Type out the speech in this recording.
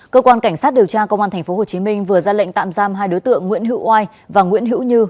cơ quan cảnh sát điều tra công an tp hồ chí minh vừa ra lệnh tạm giam hai đối tượng nguyễn hữu oai và nguyễn hữu như